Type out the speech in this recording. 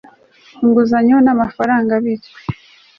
inguzanyo n amafaranga abitswe